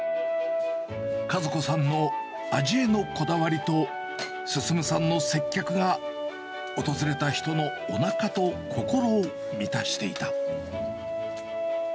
一子さんの味へのこだわりと、進さんの接客が訪れた人のおなかと心を満たしていた。